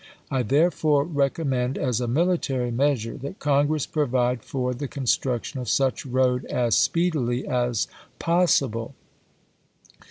I therefore recommend, as a military measure, that Congi ess provide for EAST TENNESSEE 67 the construction of such, road as speedily as pos chap. iv. sible.